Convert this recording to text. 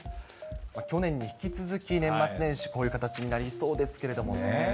去年に引き続き、年末年始、こういう形になりそうですけれどもね。